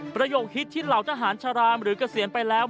ประโยคฮิตที่เหล่าทหารชารามหรือเกษียณไปแล้ว